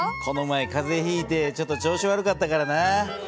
この前かぜひいてちょっと調子悪かったからな。